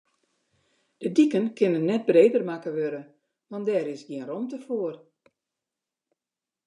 De diken kinne net breder makke wurde, want dêr is gjin romte foar.